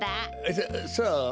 そそう？